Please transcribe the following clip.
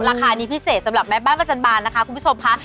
ราคานี้พิเศษสำหรับแม่บ้านประจันบาลนะคะคุณผู้ชมค่ะ